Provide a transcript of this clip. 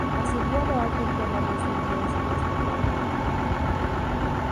Ascendió a lo alto en plena luz del día y se transformó en inmortal.